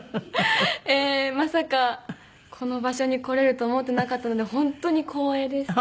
まさかこの場所に来れると思ってなかったので本当に光栄です。